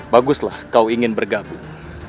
baguslah kau ingin bergabung